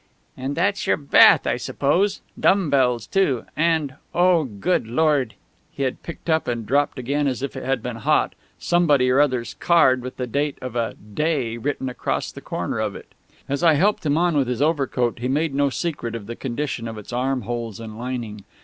"And that's your bath, I suppose.... Dumb bells too.... And oh, good Lord!..." He had picked up, and dropped again as if it had been hot, somebody or other's card with the date of a "day" written across the corner of it.... As I helped him on with his overcoat he made no secret of the condition of its armholes and lining.